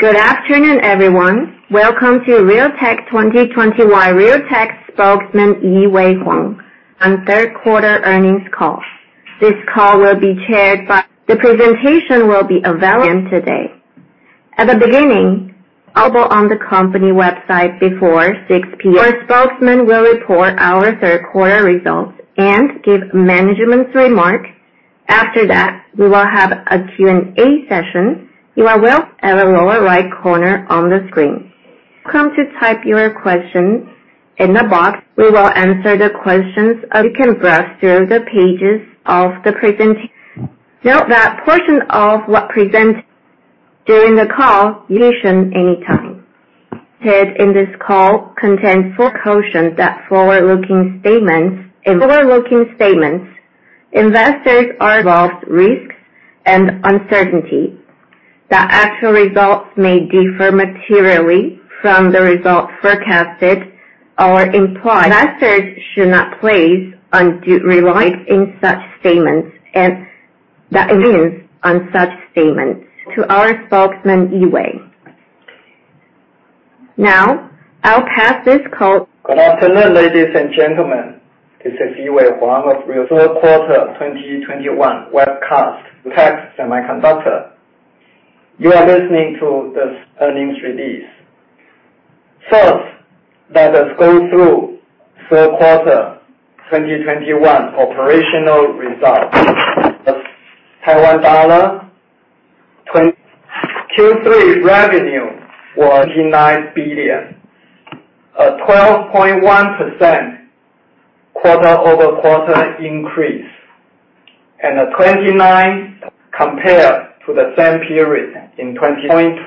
Good afternoon, everyone. Welcome to Realtek 2021 Realtek spokesman Yee-Wei Huang third quarter earnings call. The presentation will be available today at the beginning on the company website before 6 A.M. Our spokesman will report our third quarter results and give management's remark. After that, we will have a Q&A session. You are welcome to type your questions in the box at the lower right corner on the screen. We will answer the questions. You can browse through the pages of the presentation. Note that portions of what is presented during the call you should note anytime. Statements made in this call contain forward-looking statements. Forward-looking statements involve risk and uncertainty. The actual results may differ materially from the results forecasted or implied. Investors should not place undue reliance on such statements and the agreements on such statements. To our spokesman, Yee-Wei Huang. Now, I'll pass this call Good afternoon, ladies and gentlemen. This is Yi Wei Huang of Realtek Semiconductor's Q3 2021 webcast. You are listening to this earnings release. First, let us go through the Q3 2021 operational results. TWD Q3 revenue was 99 billion, a 12.1% quarter-over-quarter increase and a 29.2% increase compared to the same period in 2020.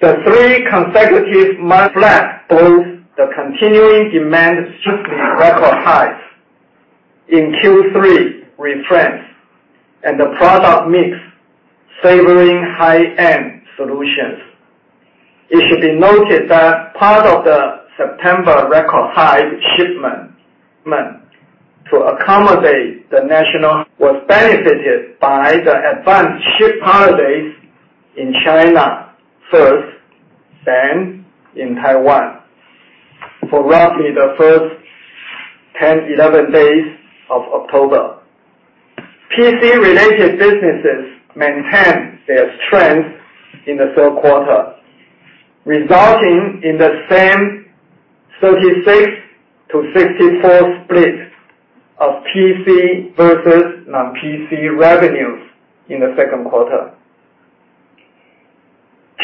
The three consecutive months flat shows the continuing demand shifting record highs in Q3 revenues and the product mix favoring high-end solutions. It should be noted that part of the September record high shipment meant to accommodate the National Day was benefited by the advanced shipments holidays in China first, then in Taiwan for roughly the first 10-11 days of October. PC-related businesses maintained their strength in the third quarter, resulting in the same 36-64 split of PC versus non-PC revenues in the second quarter.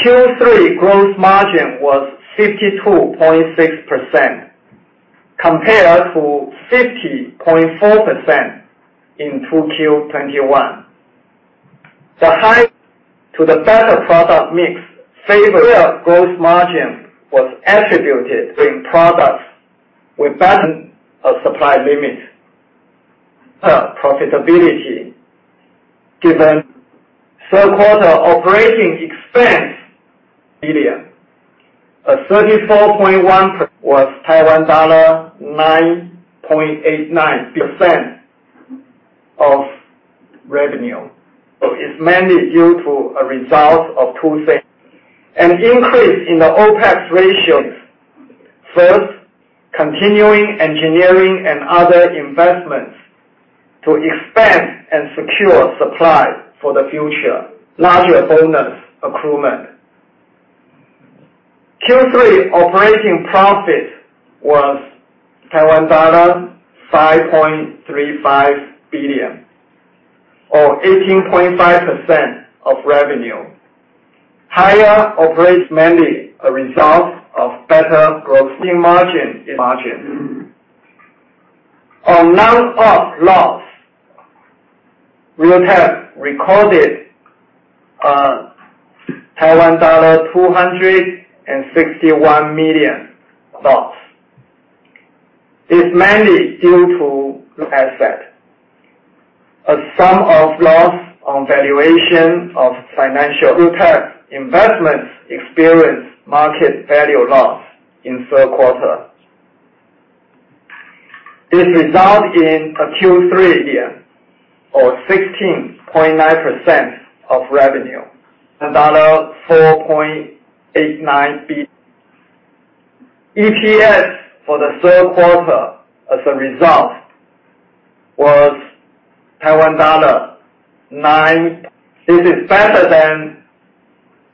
Q3 gross margin was 52.6% compared to 50.4% in 2Q 2021. The higher gross margin was due to the better product mix favoring products with better supply limits. Operating expenses were TWD 9.89 billion or 34.1% of revenue. It's mainly a result of two things. An increase in the OPEX ratios. First, continuing engineering and other investments to expand and secure supply for the future. Larger bonus accrual. Q3 operating profit was Taiwan dollar 5.35 billion or 18.5% of revenue. Higher operating profit mainly a result of better gross margin. On non-op loss, Realtek recorded TWD 261 million loss. It's mainly due to asset. A sum of loss on valuation of financial Realtek investments experience market value loss in third quarter. This result in a TWD Q3 billion or 16.9% of revenue. 4.89 billion. EPS for the third quarter as a result was Taiwan dollar 9. This is better than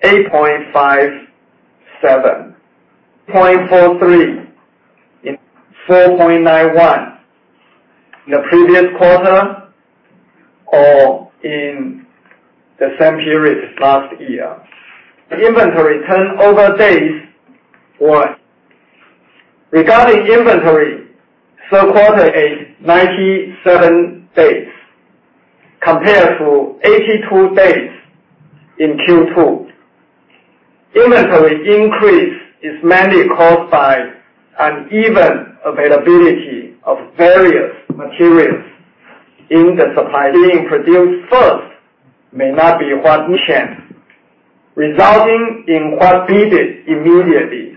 8.57. 0.43 in 4.91 in the previous quarter or in the same period last year. The inventory turnover days was. Regarding inventory, third quarter is 97 days compared to 82 days in Q2. Inventory increase is mainly caused by uneven availability of various materials in the supply. Being produced first may not be what we can, resulting in what we did immediately.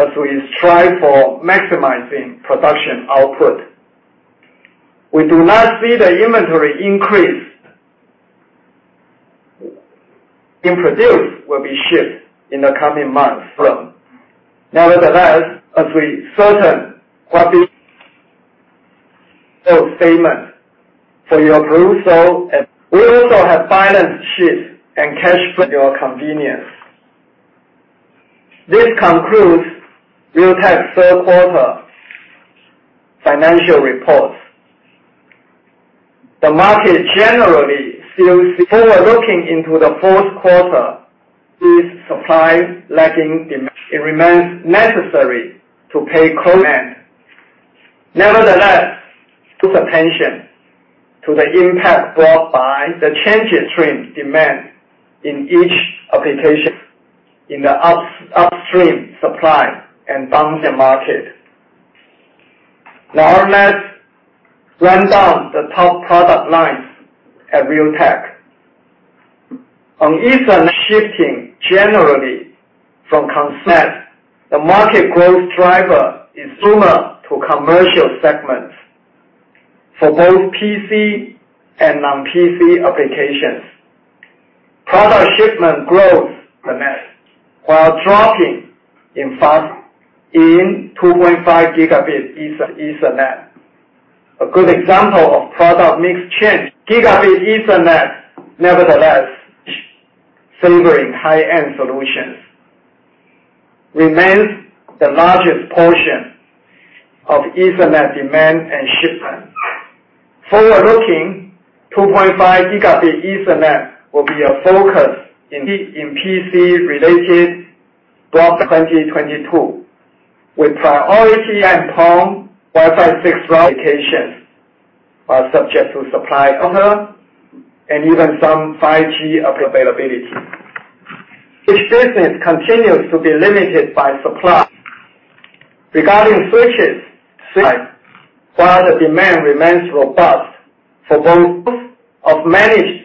As we strive for maximizing production output, we do not see the inventory increase. In produce will be shipped in the coming months from. Nevertheless, as we certain what statement for your approval. We also have balance sheet and cash flow for your convenience. This concludes Realtek's third quarter financial reports. The market generally still see overlooking into the fourth quarter is supply lagging. It remains necessary to pay close attention to the impact brought by the changing stream demand in each application in the upstream supply and downstream market. Now, let's run down the top product lines at Realtek. On Ethernet shifting generally from. The market growth driver is similar to commercial segments for both PC and non-PC applications. Product shipment growth. In 2.5 Gigabit Ethernet. A good example of product mix change. Gigabit Ethernet, nevertheless, favoring high-end solutions, remains the largest portion of Ethernet demand and shipment. Forward-looking, 2.5 Gigabit Ethernet will be a focus in PC-related products in 2022, with priority on home Wi-Fi 6 router applications subject to supply, other and even some 5G availability. Each business continues to be limited by supply. Regarding switches, while the demand remains robust for both unmanaged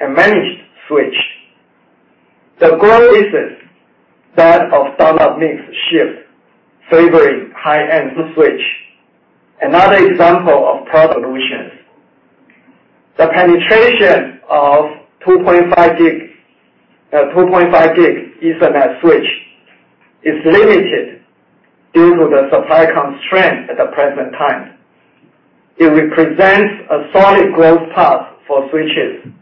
and managed switches, the goal is that of standard mix shift favoring high-end switch. Another example of product solutions. The penetration of 2.5 Gigabit Ethernet switch is limited due to the supply constraint at the present time. It represents a solid growth path for switches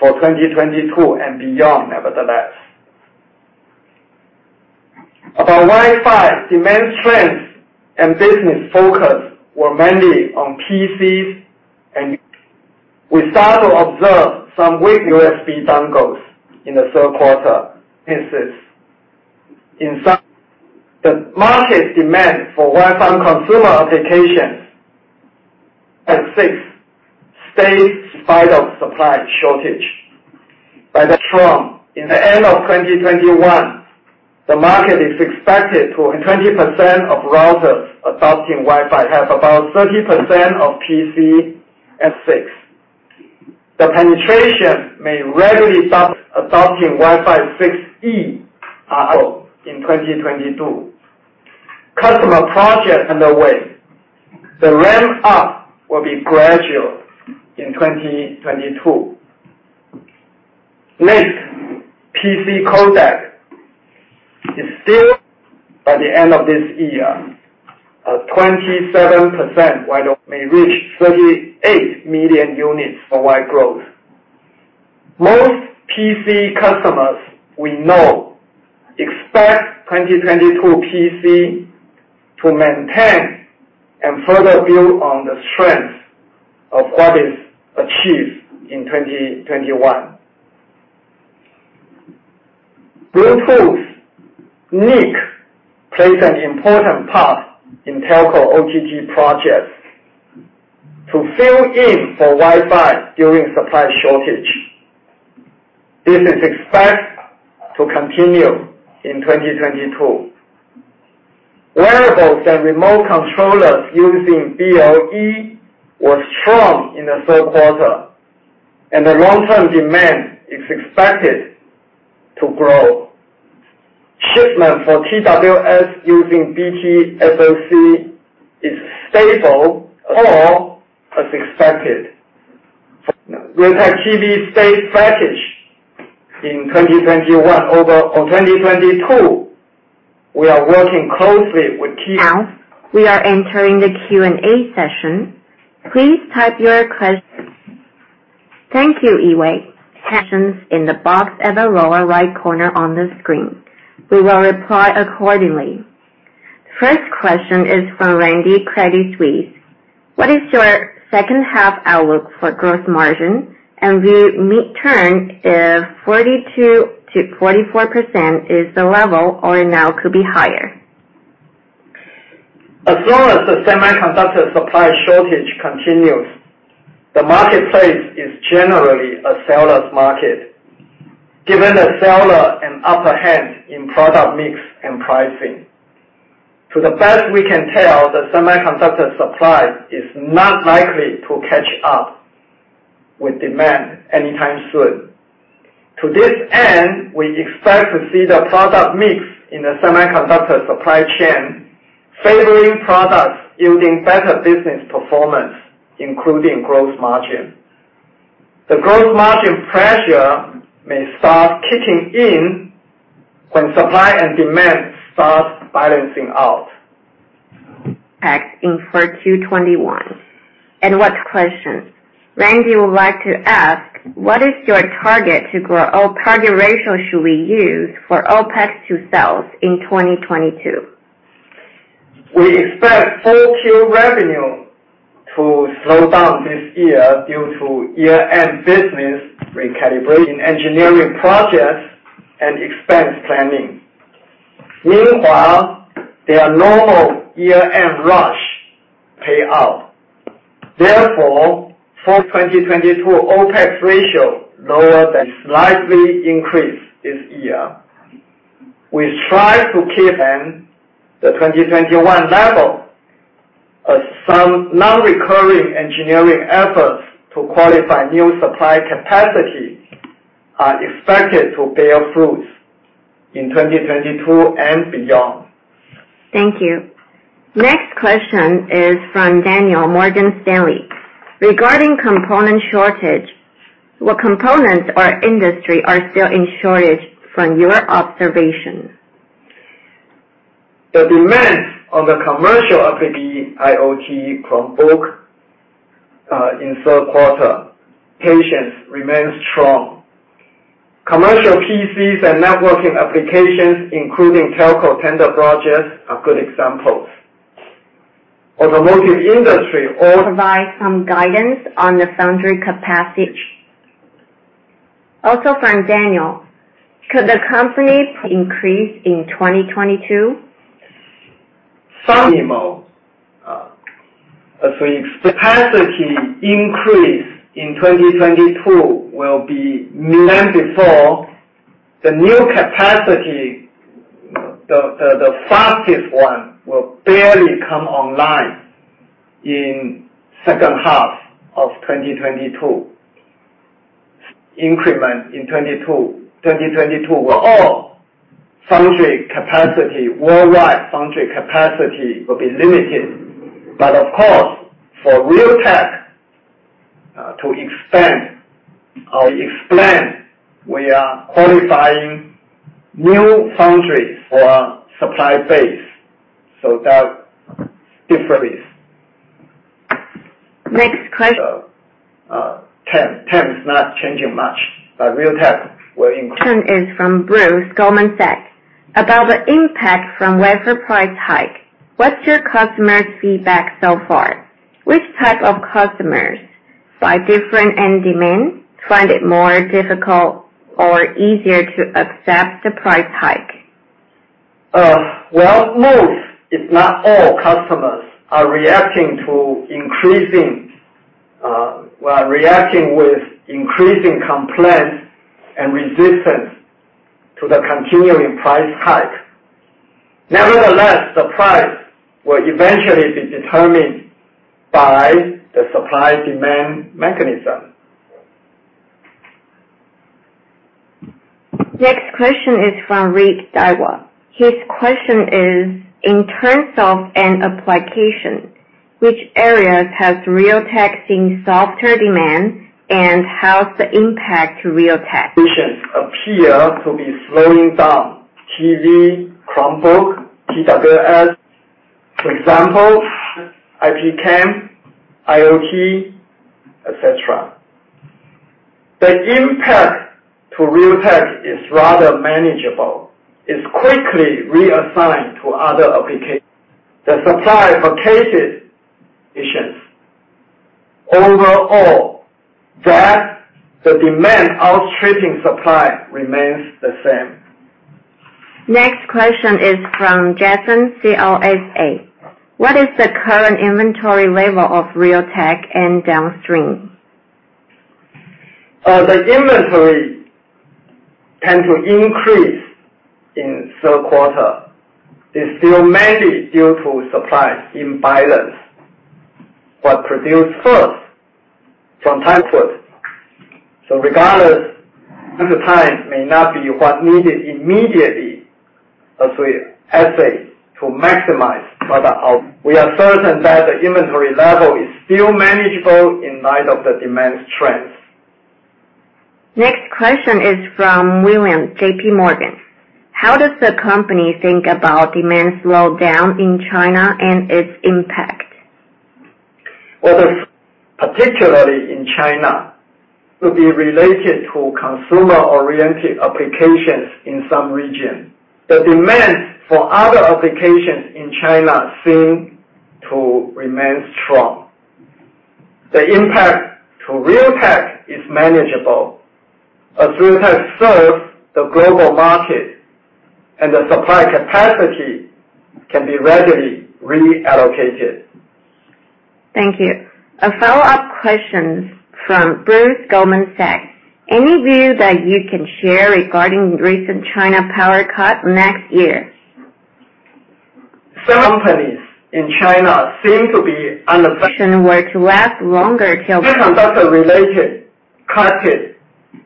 for 2022 and beyond, nevertheless. About Wi-Fi, demand strength and business focus were mainly on PCs and we start to observe some weak USB dongles in the third quarter. The market demand for Wi-Fi consumer applications at 6 stays strong despite supply shortage. By the end of 2021, the market is expected to have 20% of routers adopting Wi-Fi 6. Have about 30% of PCs at 6. The penetration may readily start adopting Wi-Fi 6E in 2022. Customer projects underway. The ramp up will be gradual in 2022. Next, PC codec is still, by the end of this year, 27%. May reach 38 million units for Wi-Fi growth. Most PC customers we know expect 2022 PCs to maintain and further build on the strength of what is achieved in 2021. Bluetooth NIC plays an important part in telco OTT projects to fill in for Wi-Fi during supply shortage. This is expected to continue in 2022. Wearables and remote controllers using BLE was strong in the third quarter, and the long-term demand is expected to grow. Shipment for TWS using BT SoC is stable or as expected. Realtek TV stays sluggish in 2021 over or 2022. We are working closely with team- Now, we are entering the Q&A session. Please type your questions in the box at the lower right corner on the screen. Thank you, Yiwei. We will reply accordingly. First question is from Randy, Credit Suisse. What is your second half outlook for growth margin? And will mid-term if 42%-44% is the level or now could be higher? As long as the semiconductor supply shortage continues, the marketplace is generally a seller's market, giving the seller an upper hand in product mix and pricing. To the best we can tell, the semiconductor supply is not likely to catch up with demand anytime soon. To this end, we expect to see the product mix in the semiconductor supply chain favoring products yielding better business performance, including growth margin. The growth margin pressure may start kicking in when supply and demand starts balancing out. Next in for Q1 2021 and the next question. Randy would like to ask, what is your target growth or target ratio should we use for OPEX to sales in 2022? We expect full-year revenue to slow down this year due to year-end business recalibration, engineering projects and expense planning. Meanwhile, their normal year-end rush payout. Therefore, for 2022, OPEX ratio lower than slightly increased this year. We try to keep in the 2021 level as some non-recurring engineering efforts to qualify new supply capacity are expected to bear fruit in 2022 and beyond. Thank you. Next question is from Daniel, Morgan Stanley. Regarding component shortage, what components or industry are still in shortage from your observation? The demand on the commercial application IOT Chromebook, in third quarter, patterns remain strong. Commercial PCs and networking applications, including telco tender projects, are good examples. Automotive industry. Provide some guidance on the foundry capacity. Also from Daniel. Could the company increase in 2022? Capacity increase in 2022 will be before the new capacity. The fastest one will barely come online in second half of 2022. Increment in 2022. In 2022, all foundry capacity, worldwide foundry capacity will be limited. Of course, for Realtek, to expand or explain, we are qualifying new foundries for supply base. That difference. Next question. 10 is not changing much, but Realtek will increase. Next question is from Bruce, Goldman Sachs. About the impact from wafer price hike, what's your customer's feedback so far? Which type of customers by different end demand find it more difficult or easier to accept the price hike? Most, if not all customers are reacting with increasing complaints and resistance to the continuing price hike. Nevertheless, the price will eventually be determined by the supply-demand mechanism. Next question is from Rick, Daiwa. His question is, in terms of an application, which areas has Realtek seen softer demand, and how it impacts Realtek? Applications appear to be slowing down. TV, Chromebook, TWS, for example, IP cam, IoT, et cetera. The impact to Realtek is rather manageable. It's quickly reassigned to other applications. The supply for these applications. Overall, the demand outstripping supply remains the same. Next question is from Jason, CLSA. What is the current inventory level of Realtek and downstream? The inventory tend to increase in third quarter. It's still mainly due to supply imbalance. What we produce first from time to time. Regardless of the time, it may not be what is needed immediately as we try to maximize product output. We are certain that the inventory level is still manageable in light of the demand trends. Next question is from William, JPMorgan. How does the company think about demand slowdown in China and its impact? Well, the impact particularly in China will be related to consumer-oriented applications in some region. The demand for other applications in China seem to remain strong. The impact to Realtek is manageable, as Realtek serves the global market and the supply capacity can be readily reallocated. Thank you. A follow-up question from Bruce, Goldman Sachs. Any view that you can share regarding recent China power cuts next year? Some companies in China seem to be under- -were to last longer till- Semiconductor-related, affected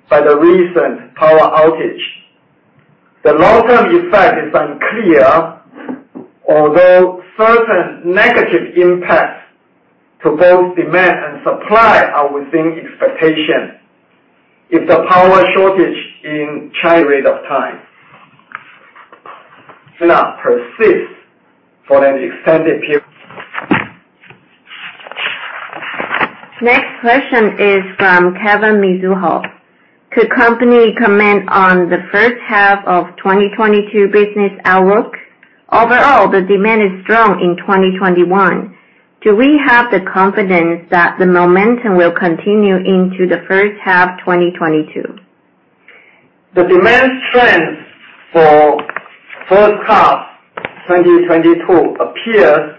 by the recent power outage. The long-term effect is unclear, although certain negative impacts to both demand and supply are within expectation. If the power shortage in China persists for an extended period. Next question is from Kevin, Mizuho. Could company comment on the first half of 2022 business outlook? Overall, the demand is strong in 2021. Do we have the confidence that the momentum will continue into the first half 2022? The demand strength for first half 2022 appears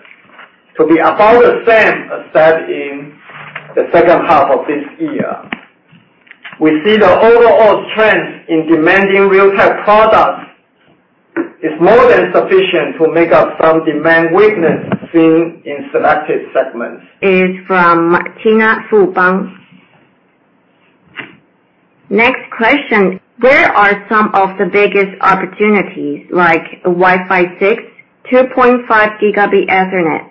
to be about the same as that in the second half of this year. We see the overall strength in demand for Realtek products is more than sufficient to make up some demand weakness seen in selected segments. It's from Martin Wong, Fubon. Next question, where are some of the biggest opportunities like Wi-Fi 6, 2.5 Gigabit Ethernet,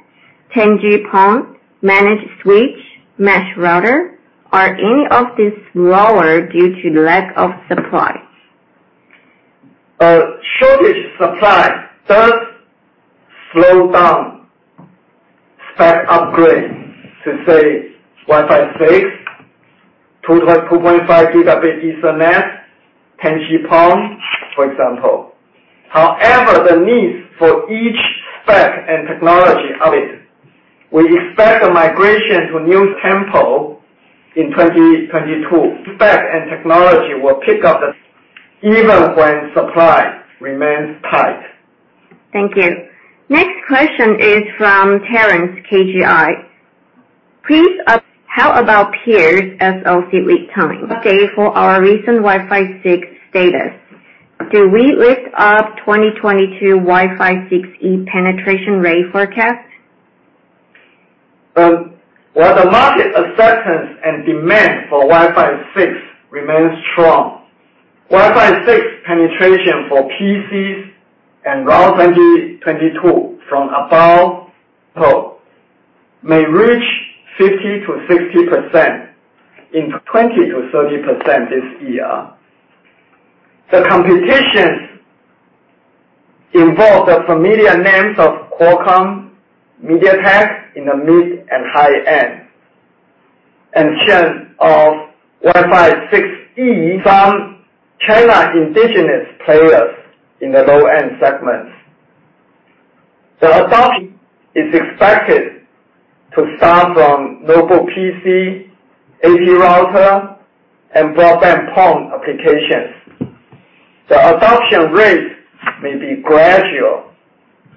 10G-PON, managed switch, mesh router? Are any of these lower due to lack of supply? Supply shortage does slow down spec upgrades to say Wi-Fi 6, 2.5 Gigabit Ethernet, 10G-PON, for example. However, the need for each spec and technology of it. We expect the migration to new tech in 2022. Spec and technology will pick up even when supply remains tight. Thank you. Next question is from Terrence, KGI. How about peers SoC lead time? Update for our recent Wi-Fi 6 status. Do we lift up 2022 Wi-Fi 6E penetration rate forecast? While the market acceptance and demand for Wi-Fi 6 remains strong, Wi-Fi 6 penetration for PCs and routers in 2022 from about 20% may reach 50%-60% in 20%-30% this year. The competitors involve the familiar names of Qualcomm, MediaTek in the mid and high end, and of Wi-Fi 6E from Chinese indigenous players in the low-end segments. The adoption is expected to start from notebook PC, AP router, and broadband PON applications. The adoption rate may be gradual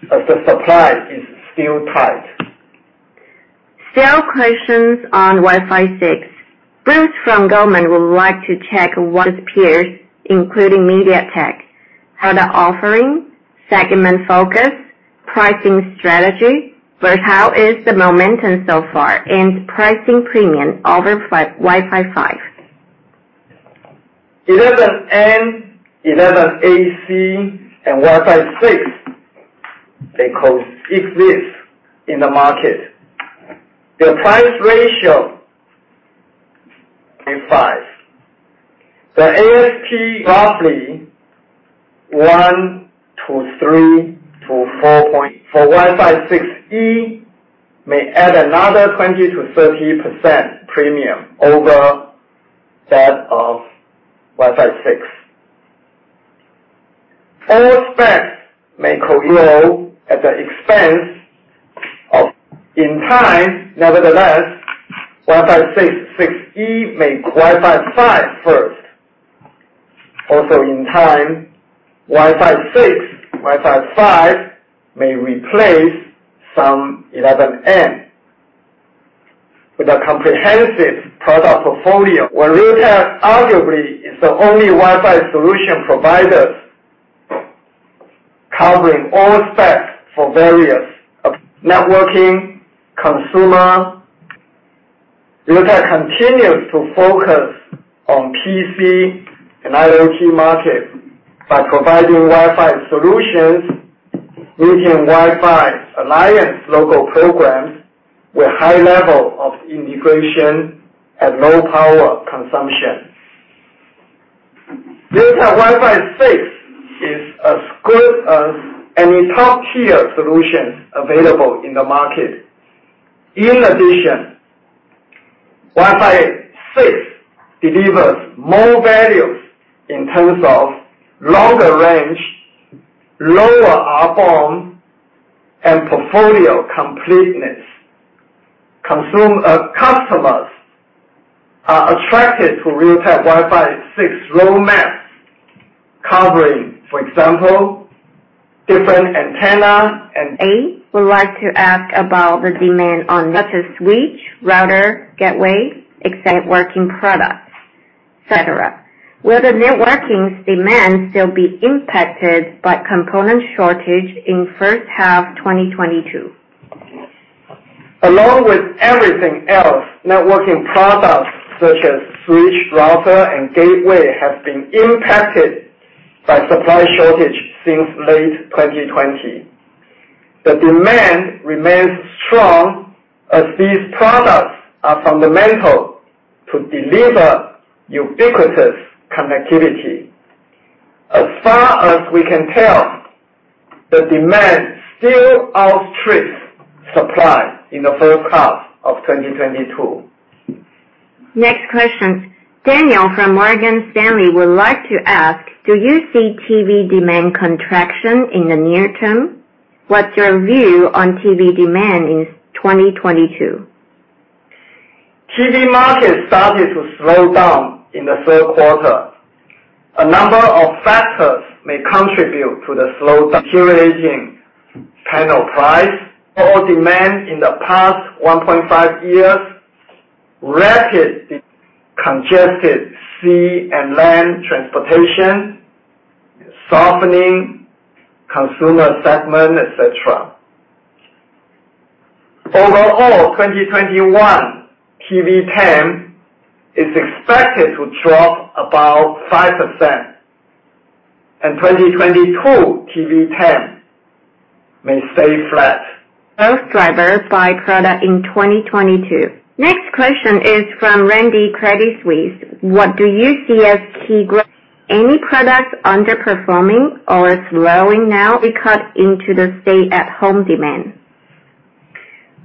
as the supply is still tight. Still questions on Wi-Fi 6. Bruce from Goldman Sachs would like to check on peers, including MediaTek, how the offering, segment focus, pricing strategy. How is the momentum so far and pricing premium over Wi-Fi 5? 11n, 11ac and Wi-Fi 6, they co-exist in the market. The price ratio 5. The ASP roughly 1 to 3 to 4 point. For Wi-Fi 6E may add another 20%-30% premium over that of Wi-Fi 6. All specs may co-exist at the expense of in time. Nevertheless, Wi-Fi 6, 6E may replace Wi-Fi 5 first. Also in time, Wi-Fi 6, Wi-Fi 5 may replace some 11n. With a comprehensive product portfolio, where Realtek arguably is the only Wi-Fi solution providers covering all specs for various networking, consumer. Realtek continues to focus on PC and IoT market by providing Wi-Fi solutions, meeting Wi-Fi Alliance logo programs with high level of integration and low power consumption. Realtek Wi-Fi 6 is as good as any top-tier solutions available in the market. In addition, Wi-Fi 6 delivers more values in terms of longer range, lower RFOM and portfolio completeness. Consumer customers are attracted to Realtek Wi-Fi 6 roadmaps covering, for example, different antenna and- I would like to ask about the demand for such as switches, routers, gateways, enterprise networking products, etc. Will the networking demand still be impacted by component shortage in first half 2022? Along with everything else, networking products such as switch, router, and gateway have been impacted by supply shortage since late 2020. The demand remains strong as these products are fundamental to deliver ubiquitous connectivity. As far as we can tell, the demand still outstrips supply in the first half of 2022. Next question. Daniel from Morgan Stanley would like to ask: Do you see TV demand contraction in the near term? What's your view on TV demand in 2022? TV market started to slow down in the third quarter. A number of factors may contribute to the slowdown, deteriorating panel price, overall demand in the past 1.5 years, rapid congested sea and land transportation, softening consumer segment, et cetera. Overall, 2021 TV panel is expected to drop about 5%, and 2022 TV panel may stay flat. Both drivers by product in 2022. Next question is from Randy, Credit Suisse. Any products underperforming or slowing now because of the end of the stay-at-home demand?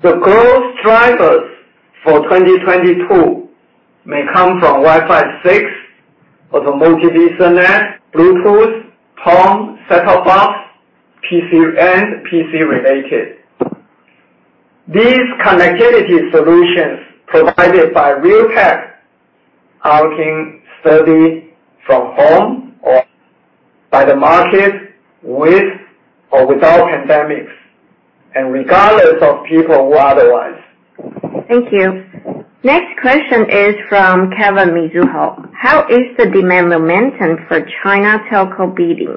The growth drivers for 2022 may come from Wi-Fi 6 or the Multi-Gig Ethernet, Bluetooth, PON, set-top box, PC and PC related. These connectivity solutions provided by Realtek are working steady from home or by the market with or without pandemics and regardless of people who otherwise. Thank you. Next question is from Kevin, Mizuho. How is the demand momentum for China Telco bidding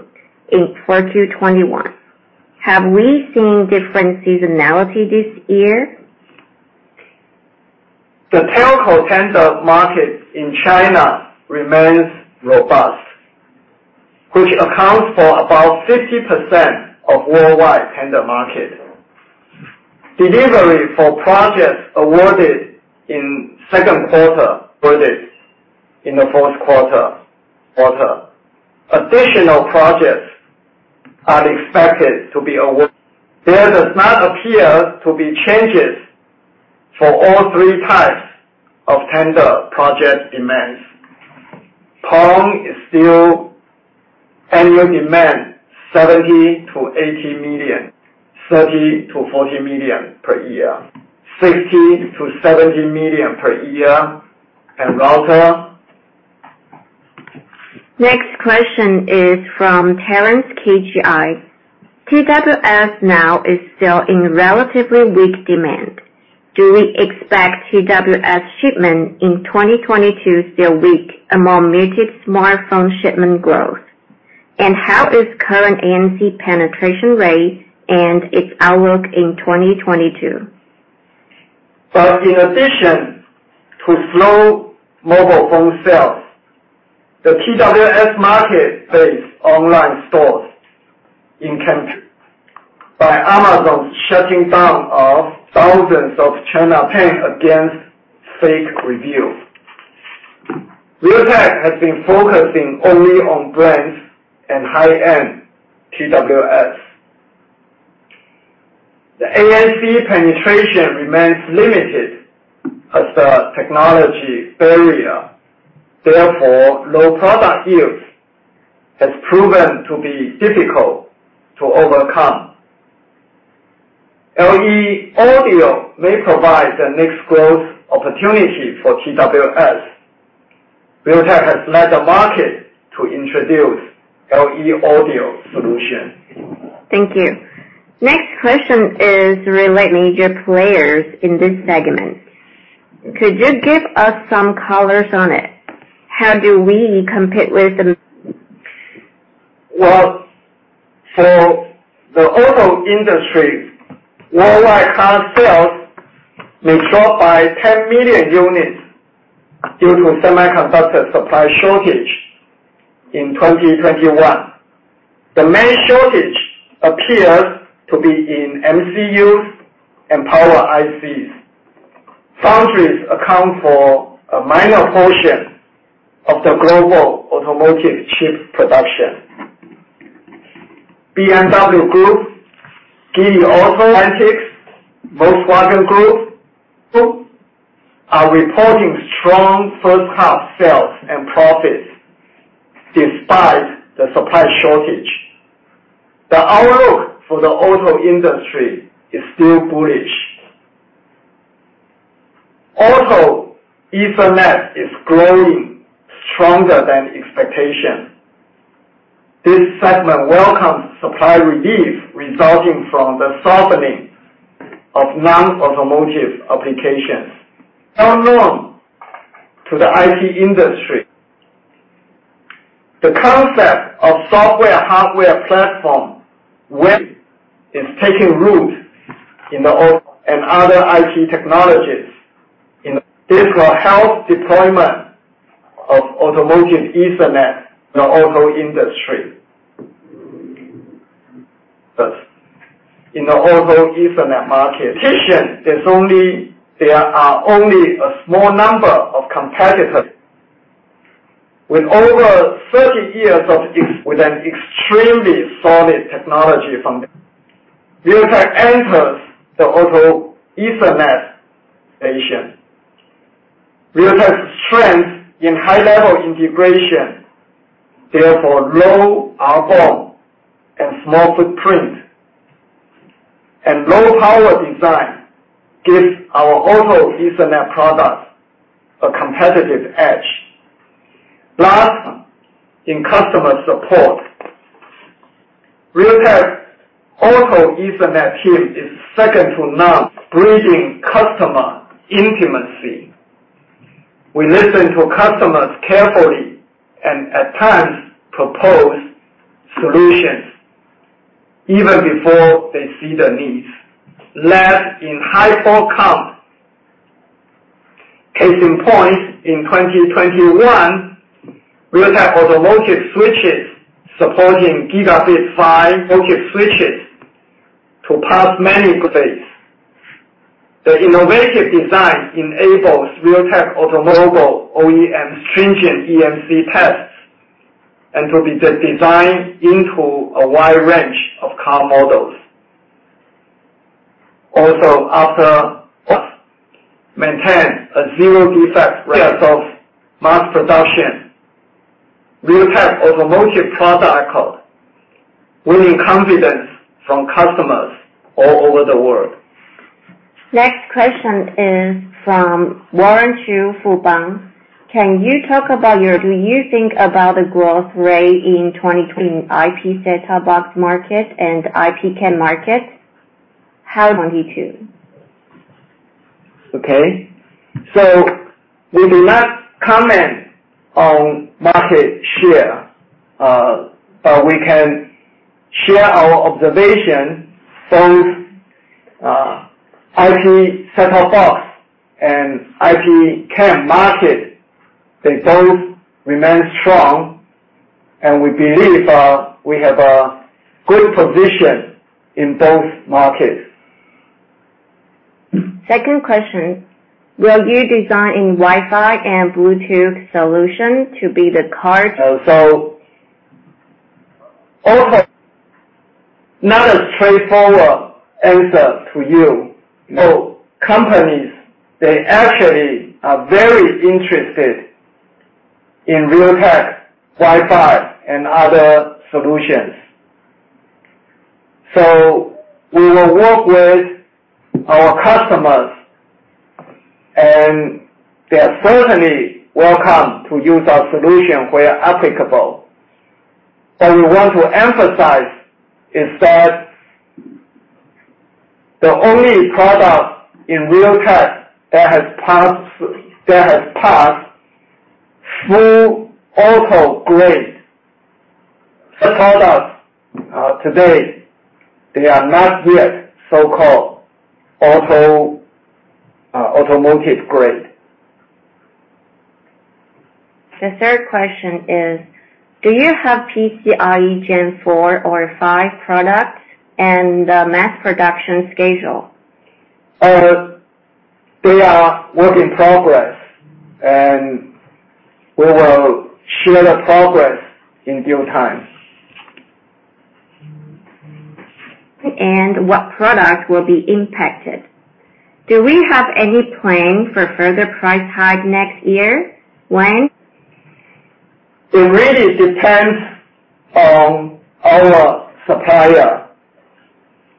in 4Q 2021? Have we seen different seasonality this year? The telco tender market in China remains robust, which accounts for about 50% of worldwide tender market. Delivery for projects awarded in second quarter, verdict in the fourth quarter. Additional projects are expected to be award. There does not appear to be changes for all three types of tender project demands. PON is still annual demand 70-80 million, 30-40 million per year, 60-70 million per year, and router. Next question is from Terrence, KGI. TWS now is still in relatively weak demand. Do we expect TWS shipment in 2022 still weak among muted smartphone shipment growth? And how is current ANC penetration rate and its outlook in 2022? In addition to slow mobile phone sales, the TWS market has been affected by Amazon shutting down thousands of Chinese sellers paying for fake reviews. Realtek has been focusing only on brands and high-end TWS. The ANC penetration remains limited as the technology barrier, therefore low product yields, has proven to be difficult to overcome. LE Audio may provide the next growth opportunity for TWS. Realtek has led the market to introduce LE Audio solution. Thank you. Next question is relating major players in this segment. Could you give us some colors on it? How do we compete with them? Well, for the auto industry, worldwide car sales may drop by 10 million units due to semiconductor supply shortage in 2021. The main shortage appears to be in MCUs and Power ICs. Foundries account for a minor portion of the global automotive chip production. BMW Group, Geely Auto, Stellantis, Volkswagen Group are reporting strong first half sales and profits despite the supply shortage. For the auto industry, it is still bullish. Also, Ethernet is growing stronger than expectation. This segment welcomes supply relief resulting from the softening of non-automotive applications. And now to the IT industry. The concept of software-hardware platform which is taking root in the auto and other IT technologies. This will help deployment of Automotive Ethernet in the auto industry. But in the Automotive Ethernet market, there are only a small number of competitors. With over 30 years of experience with an extremely solid technology foundation, Realtek enters the Automotive Ethernet space. Realtek's strength in high-level integration, therefore low BOM and small footprint. Low power design gives our Automotive Ethernet products a competitive edge. Last, in customer support. Realtek Automotive Ethernet team is second to none, building customer intimacy. We listen to customers carefully, and at times propose solutions even before they see the needs. Last, in high port count. Case in point, in 2021, Realtek automotive switches supporting 5 Gigabit focused switches to pass many grades. The innovative design enables Realtek automobile OEM stringent EMC tests, and to be designed into a wide range of car models. Maintain a 0 defect rate of mass production. Realtek automotive products winning confidence from customers all over the world. Next question is from Warren Chu, Fubon. Can you talk about do you think about the growth rate in 2020 IP set-top box market and IP cam market? How about 2022? Okay. We do not comment on market share, but we can share our observation. Both IP set-top box and IP cam market, they both remain strong, and we believe we have a good position in both markets. Second question. Will you design in Wi-Fi and Bluetooth solution to be the card? Also not a straightforward answer to you. Companies, they actually are very interested in Realtek Wi-Fi and other solutions. We will work with our customers, and they are certainly welcome to use our solution where applicable. We want to emphasize is that the only product in Realtek that has passed through automotive-grade products, today, they are not yet so-called automotive grade. The third question is, do you have PCIe Gen 4 or 5 products and the mass production schedule? They are work in progress, and we will share the progress in due time. What product will be impacted? Do we have any plan for further price hike next year? When? It really depends on our supplier.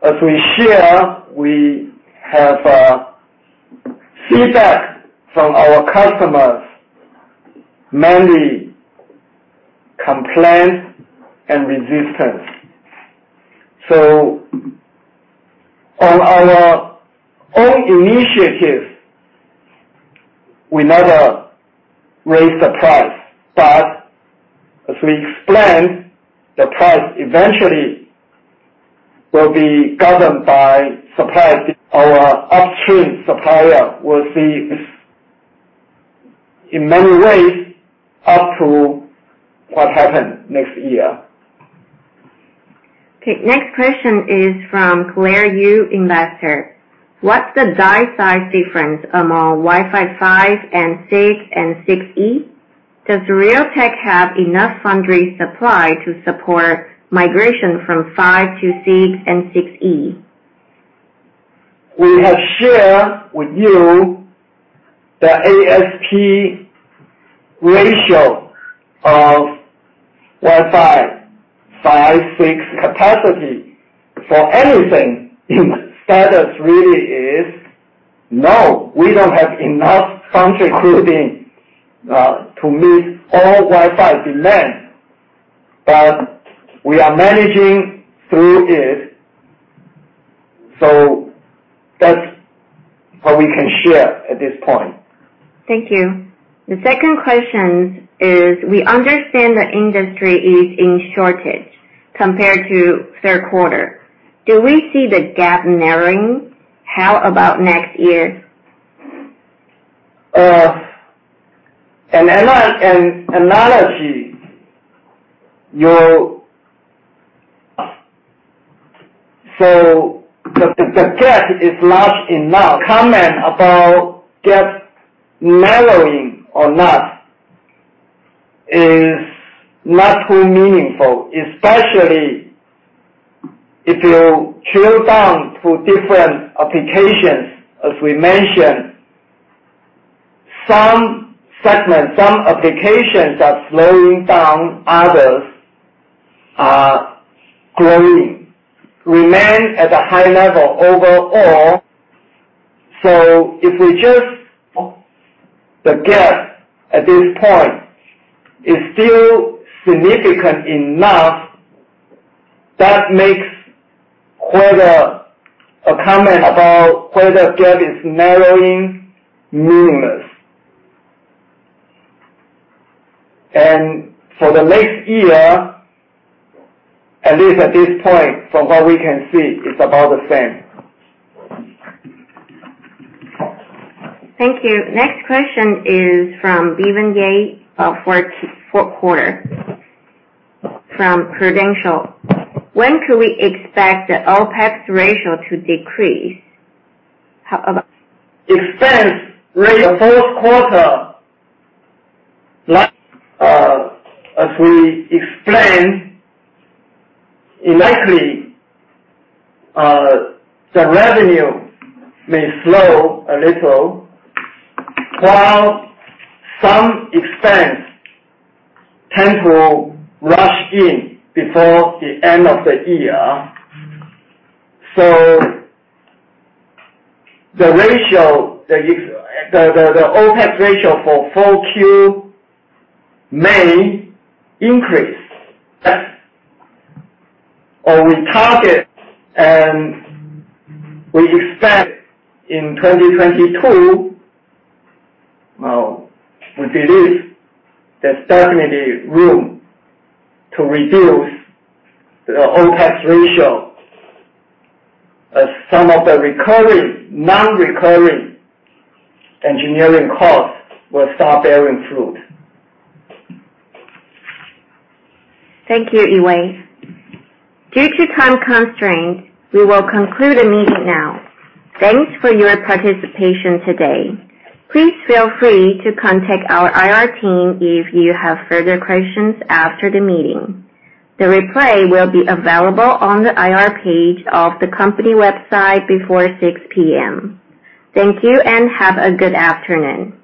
As we share, we have feedback from our customers, mainly complaints and resistance. On our own initiative, we never raise the price. As we explained, the price eventually will be governed by suppliers. Our upstream supplier will see in many ways up to what happen next year. Okay. Next question is from Claire Yu, investor. What's the die size difference among Wi-Fi 5 and 6 and 6E? Does Realtek have enough foundry supply to support migration from 5 to 6 and 6E? We have shared with you the ASP ratio of Wi-Fi 5, Wi-Fi 6 capacity. We don't have enough foundry capacity to meet all Wi-Fi demand, but we are managing through it. That's what we can share at this point. Thank you. The second question is, we understand the industry is in shortage compared to third quarter. Do we see the gap narrowing? How about next year? The gap is large enough. Comment about gap narrowing or not is not too meaningful, especially if you drill down to different applications, as we mentioned. Some segments, some applications are slowing down, others are growing, remain at a high level overall. The gap at this point is still significant enough that makes whether a comment about whether gap is narrowing meaningless. For the next year, at least at this point, from what we can see, it's about the same. Thank you. Next question is from Bevan Gwyn about fourth quarter from Prudential. When could we expect the OpEx ratio to decrease? How about- Expense ratio fourth quarter. Like, as we explained, likely, the revenue may slow a little, while some expenses tend to rush in before the end of the year. The ratio, the OpEx ratio for 4Q may increase. We target and we expect in 2022, well, we believe there's definitely room to reduce the OpEx ratio as some of the recurring, non-recurring engineering costs will start bearing fruit. Thank you, Yee-Wei. Due to time constraints, we will conclude the meeting now. Thanks for your participation today. Please feel free to contact our IR team if you have further questions after the meeting. The replay will be available on the IR page of the company website before 6:00 P.M. Thank you and have a good afternoon.